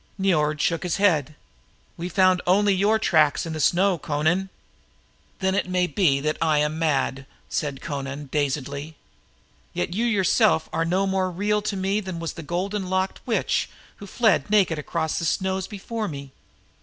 Niord shook his head. "We found only your tracks in the snow, Amra." "Then it may be I was mad," said Amra dazedly. "Yet you yourself are no more real to me than was the golden haired witch who fled naked across the snows before me.